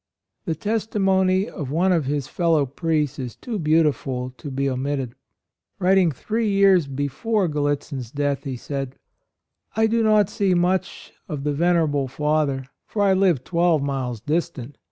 " The testimony of one of his fellow priests is too beautiful to be omitted. Writing three years before Gallitzin's death, he said: "I do not see much of the venerable Father, for I live twelve miles distant.